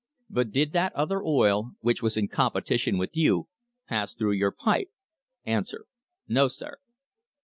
But did that other oil which was in competition with you pass through your pipe? A. No, sir.